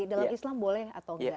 dalam islam boleh atau enggak